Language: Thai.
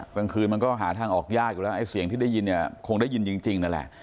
กลางคืนมันก็หาทางออกยากอยู่แล้วไอ้เสียงที่ได้ยินเนี่ยคงได้ยินจริงนั่นแหละ